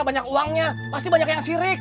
banyak uangnya pasti banyak yang sirik